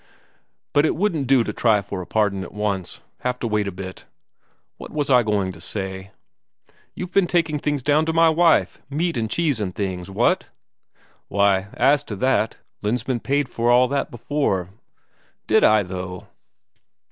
"But it wouldn't do to try for a pardon at once. Have to wait a bit. What was I going to say ... you've been taking things down to my wife meat and cheese and things what?" "Why, as to that, Lensmand paid for all that before." "Did I, though?"